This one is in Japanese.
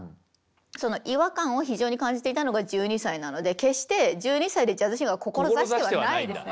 その違和感を非常に感じていたのが１２歳なので決して１２歳でジャズシンガーを志してはないですね。